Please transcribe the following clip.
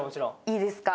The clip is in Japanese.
いいですか？